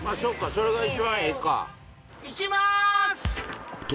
それが一番ええかいきまーすと